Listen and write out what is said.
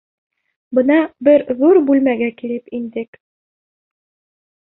Бына бер ҙур бүлмәгә килеп индек.